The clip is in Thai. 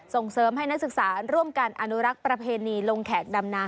ส่งเสริมให้นักศึกษาร่วมกันอนุรักษ์ประเพณีลงแขกดำน้ำ